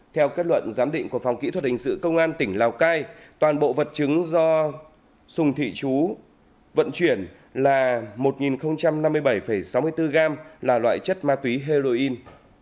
theo kết luận giám định của phòng kỹ thuật hình sự công an tỉnh lào cai toàn bộ vật chứng do sùng thị chú vận chuyển là một năm mươi bảy sáu mươi bốn gram là loại chất ma túy heroin